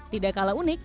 tidak kalah unik